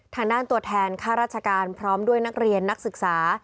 ทางด้านตัวแทนค่าราชการพร้อมด้วยนักเรียนนักศึกษา